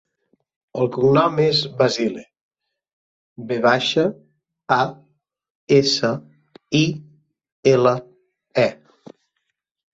El cognom és Vasile: ve baixa, a, essa, i, ela, e.